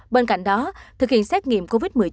bên cạnh đó thực hiện xét nghiệm covid một mươi chín